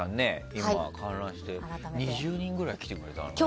今、観覧してて２０人ぐらい来てくれたんだね。